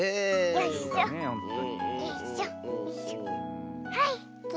よいしょと。